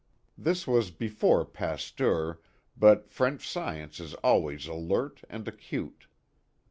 This was before Pasteur, but French science is always alert and acute.